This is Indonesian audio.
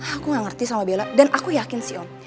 aku gak ngerti sama bella dan aku yakin sihon